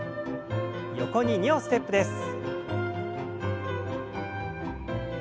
横に２歩ステップです。